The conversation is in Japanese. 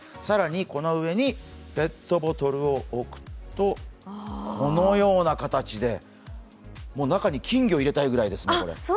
更にこの上にペットボトルを置くと、このような形で中に金魚を入れたいくらいですね。